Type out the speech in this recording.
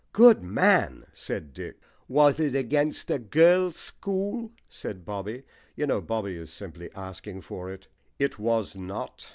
"Good man," said Dick. "Was it against a girls' school?" said Bobby. (You know, Bobby is simply asking for it.) "It was not.